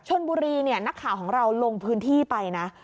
ชนบุรีเนี่ยนักข่าวของเราลงพื้นที่ไปนะ